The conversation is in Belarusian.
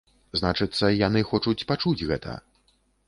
Значыцца, яны хочуць пачуць гэта.